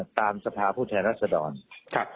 โหวตตามเสียงข้างมาก